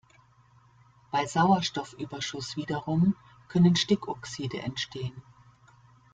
Bei Sauerstoffüberschuss wiederum können Stickoxide entstehen.